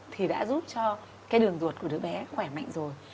thì đã giúp cho cái đường ruột của đứa bé khỏe mạnh rồi